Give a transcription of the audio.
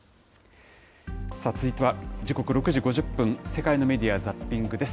続いては、時刻６時５０分、世界のメディア・ザッピングです。